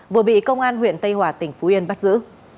vừa bị công an huyện tây hòa tỉnh phú yên bắt giữ